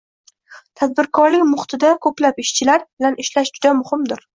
Tadbirkorlik muhitida koʻplab ishchilar bilan ishlash juda muhim.